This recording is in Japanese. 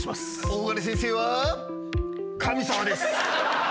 大金先生は神様です。